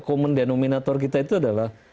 common denominator kita itu adalah